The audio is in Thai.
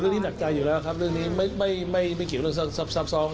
ที่หนักใจอยู่แล้วครับเรื่องนี้ไม่เกี่ยวกับเรื่องซับซ้อน